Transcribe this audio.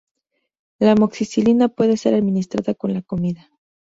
La amoxicilina puede ser administrada con la comida.